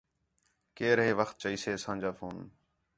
کیئر ہے وخت چئیسے اساں جا فون